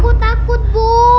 bu aku takut bu